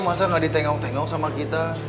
masa nggak ditengok tengok sama kita